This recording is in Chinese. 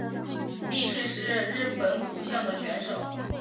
力士是日本相扑的选手。